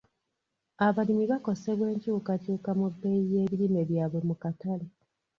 Abalimi bakosebwa enkyukakyuka mu bbeeyi y'ebirime byabwe mu katale.